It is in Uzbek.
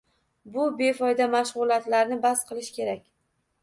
Bu befoyda mashg‘ulotlarni bas qilish kerak.